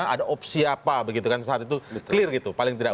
ada opsi apa begitu kan saat itu clear gitu paling tidak